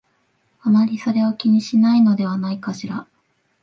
あまりそれを気にしないのではないかしら